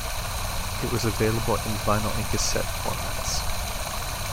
It was available in vinyl and cassette formats.